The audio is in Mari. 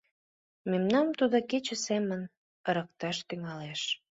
Мемнам тудо кече семын ырыкташ тӱҥалеш.